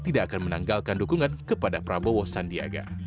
tidak akan menanggalkan dukungan kepada prabowo sandiaga